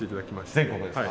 全国ですか？